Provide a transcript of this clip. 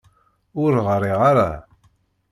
Ur ɣriɣ ara.